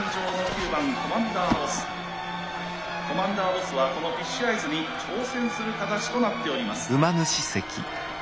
コマンダーボスはこのフィッシュアイズに挑戦する形となっております。